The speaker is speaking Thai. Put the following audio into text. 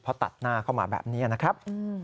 เพราะตัดหน้าเข้ามาแบบนี้นะครับ